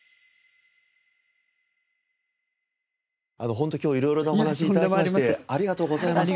本当今日はいろいろなお話を頂きましてありがとうございました。